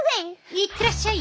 行ってらっしゃい！